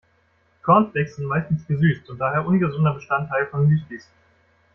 Cornflakes sind meistens gesüßt und daher ungesunder Bestandteil von Müslis.